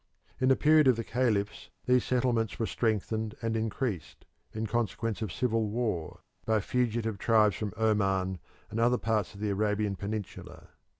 In the period of the caliphs these settlements were strengthened and increased, in consequence of civil war, by fugitive tribes from Oman and other parts of the Arabian peninsula.